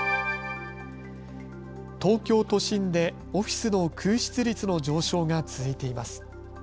東京都心でオフィスの空室率の上昇が続いています。